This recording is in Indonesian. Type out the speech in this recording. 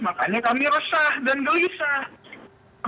makanya kami resah dan gelisah